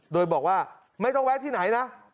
โดยบอกว่าไม่ต้องแวะที่ไหนนะ